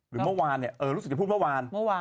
รู้สึกจะพูดเมื่อวาน